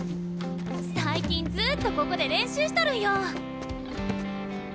最近ずっとここで練習しとるんよ。